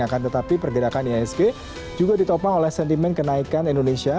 akan tetapi pergerakan ihsg juga ditopang oleh sentimen kenaikan indonesia